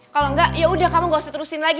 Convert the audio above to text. kalau enggak yaudah kamu gak usah diterusin lagi